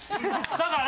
だから。